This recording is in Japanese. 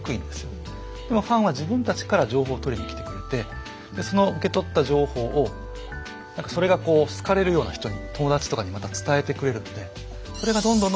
でもファンは自分たちから情報を取りに来てくれてその受け取った情報をそれが好かれるような人に友達とかにまた伝えてくれるのでそれがどんどんどんどん伝播していく。